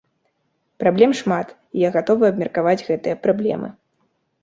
Праблем шмат, і я гатовы абмеркаваць гэтыя праблемы.